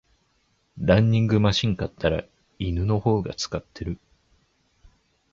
ランニングマシン買ったら犬の方が使ってる